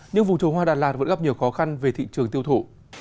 nhưng vùng trồng hoa đà lạt vẫn gặp nhiều khó khăn về thị trường tiêu thụ